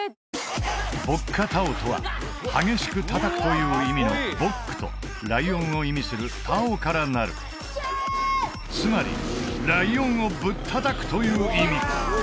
ボッカタオとは激しく叩くという意味の「ボック」とライオンを意味する「タオ」からなるつまりライオンをぶっ叩くという意味